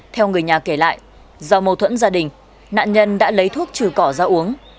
theo người nhà kể lại do mâu thuẫn gia đình nạn nhân đã lấy thuốc trừ cỏ ra uống